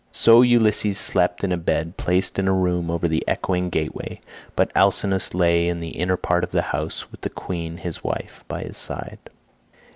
So Ulysses slept in a bed placed in a room over the echoing gateway; but Alcinous lay in the inner part of the house, with the queen his wife by his side.